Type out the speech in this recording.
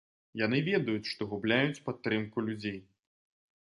Яны ведаюць, што губляюць падтрымку людзей.